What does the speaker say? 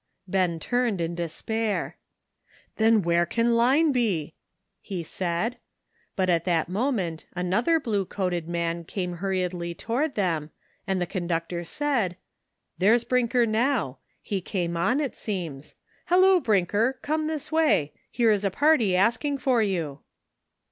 Ben turned in despair. "Then where can Line be?" he said. But at that moment another blue coated man came hurriedly toward them, and the conductor said :" There's Brinker now ; he came on, it seems. Halloo, Brinker, come this way; here is a party asking for you."